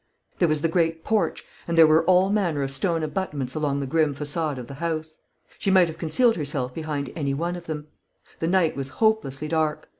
There was the great porch, and there were all manner of stone abutments along the grim façade of the house. She might have concealed herself behind any one of them. The night was hopelessly dark.